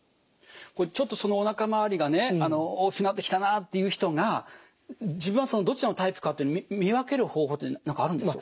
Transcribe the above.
ちょっとおなか周りがね大きくなってきたなっていう人が自分はどちらのタイプかって見分ける方法って何かあるんですか？